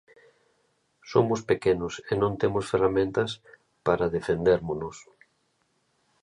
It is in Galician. Somos pequenos e non temos ferramentas para defendérmonos.